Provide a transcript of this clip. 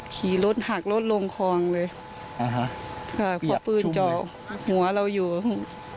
ขี่รถหักรถลงคลองเลยอ่าฮะค่ะพอปืนเจาะหัวเราอยู่